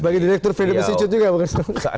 sebagai direktur film mesin cucut juga pak hjelir